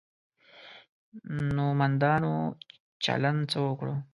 نومندانو چلند څه وکړو.